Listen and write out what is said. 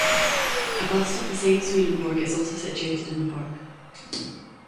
A bust of the same Swedenborg is also situated in the park.